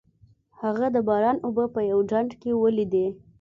هغه د باران اوبه په یوه ډنډ کې ولیدې.